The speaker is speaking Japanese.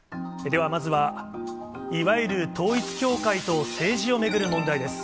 では、まずは、いわゆる統一教会と政治を巡る問題です。